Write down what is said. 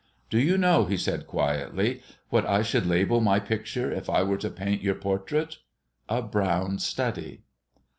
"Do you know," he said, quietly, "what I should label my picture if I were to paint your portrait? 'A Brown Study.